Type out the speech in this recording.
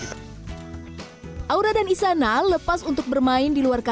aura dan isana lepas untuk bermain di luar kamar